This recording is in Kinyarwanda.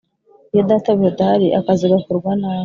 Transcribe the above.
Iyo databuja adahari akazi gakorwa nabi